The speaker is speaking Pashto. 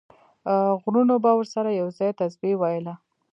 غرونو به ورسره یو ځای تسبیح ویله.